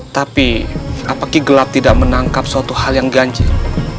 tapi apakah gelap tidak menangkap suatu hal yang ganjil